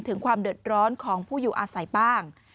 ถึงความเดือดร้อนของผู้อยู่อาศัยบ้าง